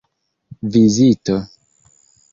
vizito